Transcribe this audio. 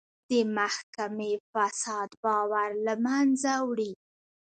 د محکمې فساد باور له منځه وړي.